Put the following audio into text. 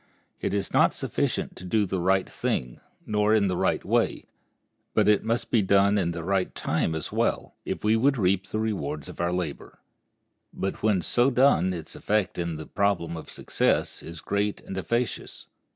It is not sufficient to do the right thing, nor in the right way, but it must be done at the right time as well, if we would reap the rewards of our labor. But when so done its effect in the problem of success is great and efficacious.